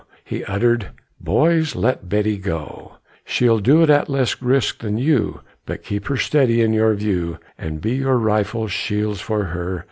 He uttered, "Boys, let Betty go! She'll do it at less risk than you; But keep her steady in your view, And be your rifles shields for her.